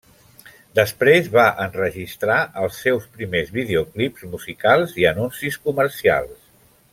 Després va enregistrar els seus primers videoclips musicals i anuncis comercials.